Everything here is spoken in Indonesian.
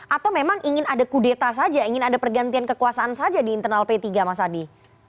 atau memang ingin ada kudeta saja ingin ada pergantian kekuasaan saja di internal p tiga mas adi